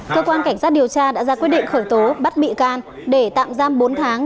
cơ quan cảnh sát điều tra đã ra quyết định khởi tố bắt bị can để tạm giam bốn tháng